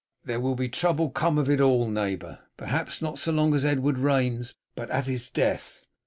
"There will trouble come of it all, neighbour. Perhaps not so long as Edward reigns, but at his death.